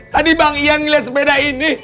tadi bang ian ngeliat sepeda ini